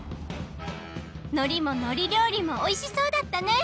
のりものり料理もおいしそうだったね。